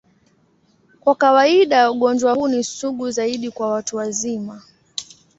Kwa kawaida, ugonjwa huu ni sugu zaidi kwa watu wazima.